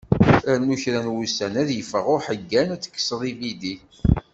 Rnu kra n wussan ad yeffeɣ uḥeggan, ad tekkseḍ ibidi.